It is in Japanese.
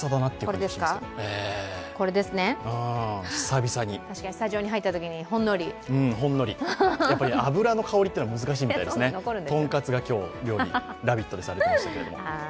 確かにスタジオに入ったときに、ほんのりやっぱり油の香りは難しいみたいですね、とんかつが今日、料理、「ラヴィット！」でされていましたけれども。